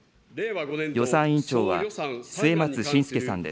予算委員長は、末松信介さんです。